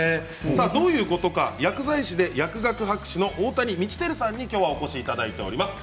どういうことか、薬剤師で薬学博士の大谷道輝さんにお越しいただいています。